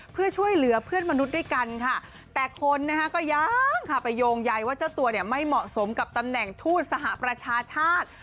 เพื่อช่วยเหลือเพื่อนมนุษย์ด้วยกันค่ะแต่คนนะคะก็ยังค่ะไปโยงใยว่าเจ้าตัวเนี่ยไม่เหมาะสมกับตำแหน่งทูตสหประชาชาติ